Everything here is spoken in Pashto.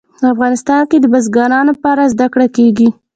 افغانستان کې د بزګان په اړه زده کړه کېږي.